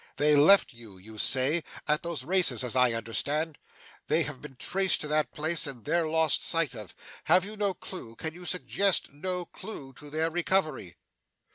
They left you, you say at those races, as I understand. They have been traced to that place, and there lost sight of. Have you no clue, can you suggest no clue, to their recovery?